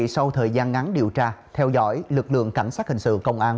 sau thời gian ngắn điều tra theo dõi lực lượng cảnh sát hình sự công an